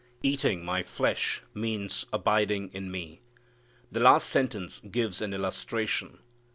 Eating My flesh means abiding in Me. The last sentence gives an illustration.